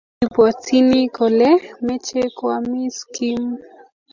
Ibwatyini kole meche koamis Kim